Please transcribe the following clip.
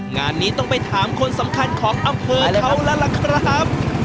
งานนี้ต้องไปถามคนสำคัญของอำเภอเขาแล้วล่ะครับ